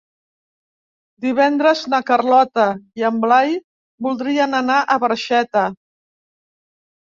Divendres na Carlota i en Blai voldrien anar a Barxeta.